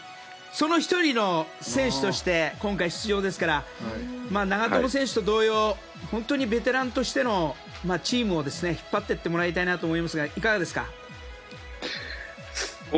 その１人の選手として今回、出場ですから長友選手と同様ベテランとしてチームを引っ張ってってもらいたいと思いますがいかがですか。